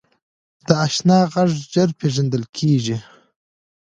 د اشنا غږ ژر پیژندل کېږي